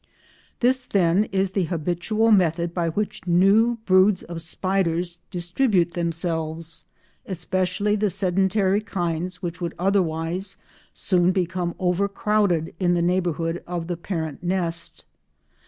] This, then, is the habitual method by which new broods of spiders distribute themselves, especially the sedentary kinds which would otherwise soon become over crowded in the neighbourhood of the parent nest.